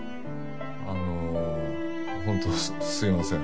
あの本当すいません。